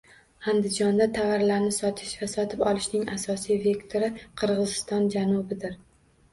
Andijonda tovarlarni sotish va sotib olishning asosiy vektori Qirg'iziston janubidir